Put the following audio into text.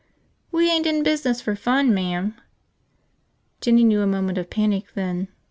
"We ain't in business for fun, ma'am." Jinny knew a moment of panic, then.